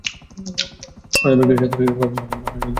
অনাদায়ী ঋণের সাথে ভাঙা চশমার কী সম্পর্ক?